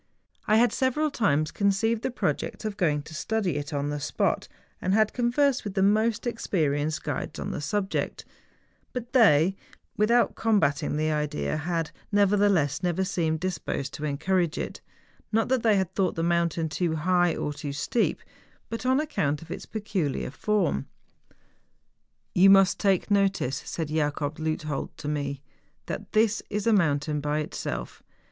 I had several times conceived the project of going to study it on the spot, and had conversed with the most experienced guides on the subject; but they, without combating the idea, had, nevertheless, never seemed disposed to encourage it, not that they thought the mountain too high or too steep, but on account of its peculiar form. THE GALENSTOCK. 8.5 'Yon must take notice,' said Jacob Leiithold to me, ' tliat this is a mountain by itself.